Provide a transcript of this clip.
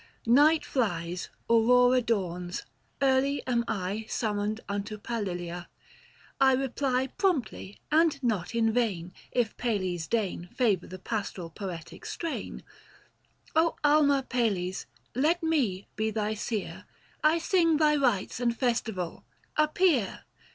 Night flies, Aurora dawns ; early am I Summoned unto Palilia. I reply Promptly, and not in vain, if Pales deign 830 Favour the pastoral poetic strain. " Oh alma Pales, let me be thy seer, I sing thy rites and festival ; appear